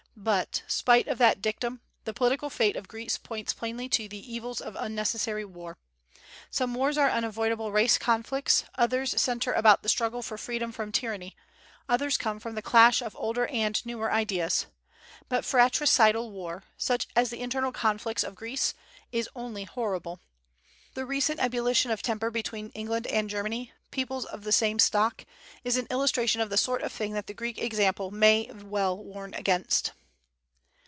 But, spite of that dictum, the political fate of Greece points plainly to the evils of unnecessary war. Some wars are unavoidable race conflicts; others center about the struggle for freedom from tyranny; others come from the clash of older and newer ideas. But fratricidal war, such as the internal conflicts of Greece, is only horrible. The recent ebullition of temper between England and Germany, peoples of the same stock, is an illustration of the sort of thing that the Greek example may well warn against.